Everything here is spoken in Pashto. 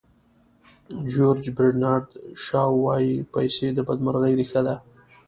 جیورج برنارد شاو وایي پیسې د بدمرغۍ ریښه ده.